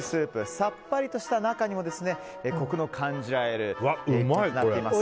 さっぱりとしている中にもコクの感じられるお鍋になっています。